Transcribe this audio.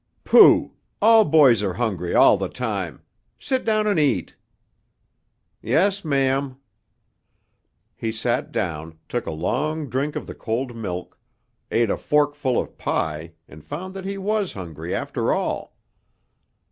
"Pooh! All boys are hungry all the time. Sit down and eat." "Yes, ma'am." He sat down, took a long drink of the cold milk, ate a fork full of pie and found that he was hungry after all.